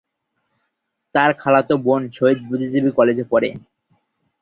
তার খালাতো বোন শহীদ বুদ্ধিজীবী কলেজে পড়ে।